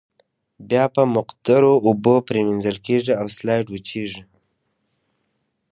بیا په مقطرو اوبو پریمنځل کیږي او سلایډ وچیږي.